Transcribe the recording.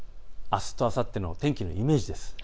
あすとあさっての天気のイメージです。